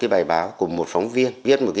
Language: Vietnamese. bài báo của một phóng viên viết một